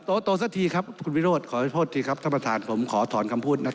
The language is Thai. ขอโทษทีนะครับขอถอนคำพูดครับ